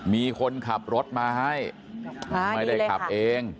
มีคนขับรถมาให้ไม่ได้ขับเอง